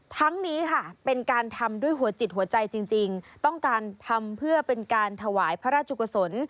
ทั้งนี้ค่ะเป็นการทำด้วยหัวจิตหัวใจจริงต้องการทำเพื่อเป็นการถวายพระราชจุกษล